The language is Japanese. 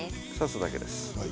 挿すだけです。